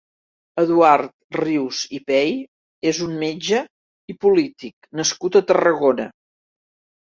Eduard Rius i Pey és un metge i polític nascut a Tarragona.